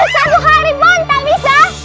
satu hari pun tak bisa